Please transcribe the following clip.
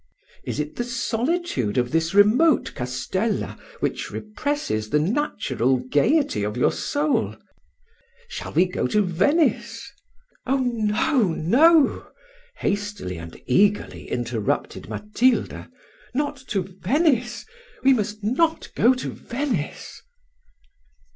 "Is it the solitude of this remote castella which represses the natural gaiety of your soul? Shall we go to Venice?" "Oh! no, no!" hastily and eagerly interrupted Matilda: "not to Venice we must not go to Venice."